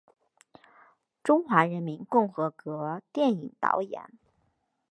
中华人民共和国电影导演。